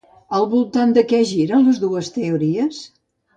Al voltant de què giren les dues teories?